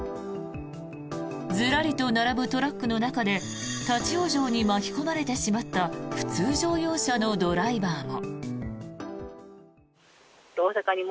ずらりと並ぶトラックの中で立ち往生に巻き込まれてしまった普通乗用車のドライバーも。